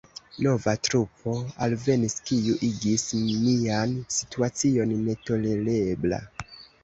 Nova trupo alvenis, kiu igis nian situacion netolerebla.